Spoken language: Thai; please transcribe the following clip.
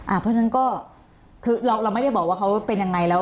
เพราะฉะนั้นก็คือเราไม่ได้บอกว่าเขาเป็นยังไงแล้ว